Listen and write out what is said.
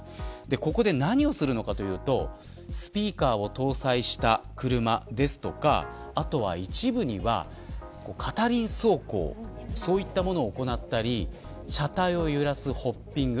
ここで何をするのかというとスピーカーを搭載した車や一部には片輪走行そういったことを行ったり車体を揺らすホッピング